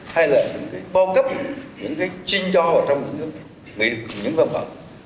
hay là bao cấp những suy cho ở trong những mỹ lực những vấn đề